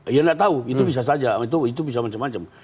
ya nggak tahu itu bisa saja itu bisa macam macam